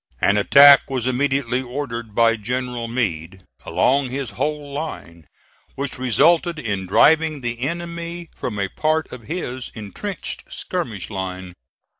An attack was immediately ordered by General Meade, along his whole line, which resulted in driving the enemy from a part of his intrenched skirmish line.